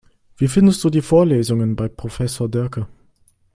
Wie findest du die Vorlesungen bei Professor Diercke?